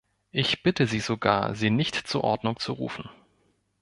Ich bitte Sie sogar, sie nicht zur Ordnung zu rufen.